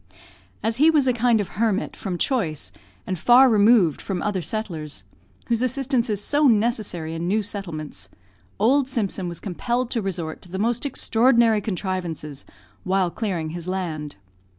As he was a kind of hermit, from choice, and far removed from other settlers, whose assistance is so necessary in new settlements, old Simpson was compelled to resort to the most extraordinary contrivances while clearing his land.